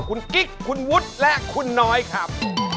คุณกิ๊กคุณวุฒิและคุณน้อยครับ